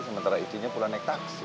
sementara izinnya pulang naik taksi